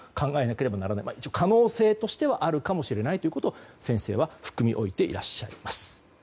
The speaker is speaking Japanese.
可能性としてはあるかもしれないということを先生は含みおいていらっしゃいます。